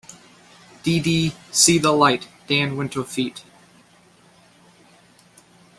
Dee Dee "See The Light," Dan Winter feat.